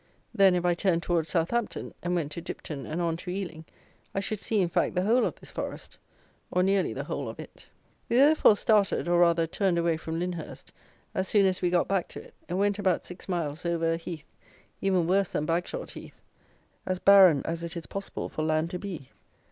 Then, if I turned towards Southampton, and went to Dipten and on to Ealing, I should see, in fact, the whole of this Forest, or nearly the whole of it. We therefore started, or, rather, turned away from Lyndhurst, as soon as we got back to it, and went about six miles over a heath, even worse than Bagshot Heath; as barren as it is possible for land to be.